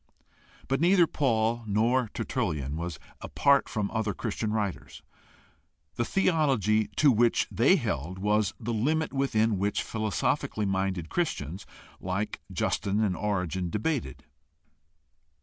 But neither Paul nor Tertullian was apart from other Christian writers. The theology to which they held was the limit within which philosophically minded Christians like Justin and Origen debated.